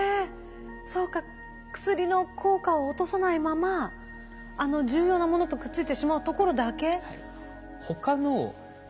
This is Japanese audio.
そうか薬の効果を落とさないままあの重要なものとくっついてしまうところだけ。